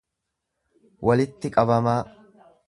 walitti qabamaa.